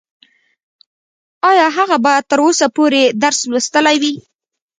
ايا هغه به تر اوسه پورې درس لوستلی وي؟